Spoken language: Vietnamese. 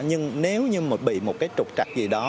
nhưng nếu như mà bị một cái trục trặc gì đó